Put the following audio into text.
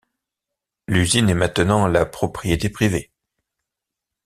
L'usine est maintenant la propriété privée.